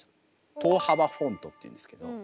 等幅フォントっていうんですけど。